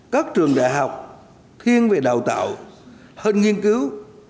các trường đại học thiên về đào tạo hân nghiên cứu